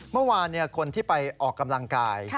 เมื่อวานคนที่ไปออกกำลังกาย